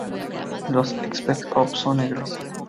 En los Spec Ops son negros.